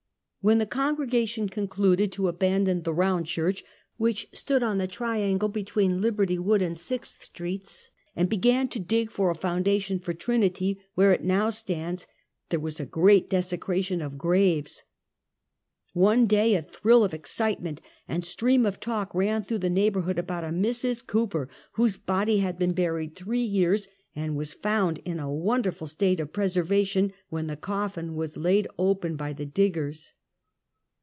When the congregation concluded to abandon the "Eound Church," which stood on the triangle between Liberty, Wood and Sixth streets, and began to dig for a foundation for Trinity, where it now stands, there was great desecration of graves. One day a thrill of excitement and stream of talk ran through the neigh borhood, about a Mrs. Cooper, whose body had been buried three years, and was found in a wonderful state of preservation, when the coffin was laid open by the diggers.